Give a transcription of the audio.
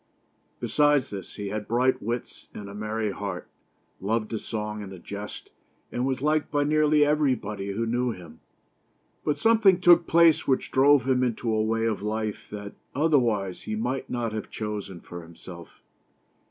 Besides this, he had bright wits, and a merry heart ; loved a song and a jest ; and was liked by nearly everybody who knew him. But something took place which drove him into a way of life that, otherwise, he might not have chosen for himself.